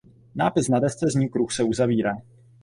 Nápis na desce zní „Kruh se uzavírá“.